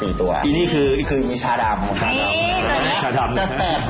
๔ไทยแล้วก็ชาดำค้า๔ตัว